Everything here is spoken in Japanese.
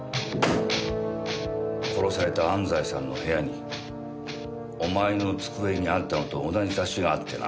殺された安西さんの部屋にお前の机にあったのと同じ雑誌があってな。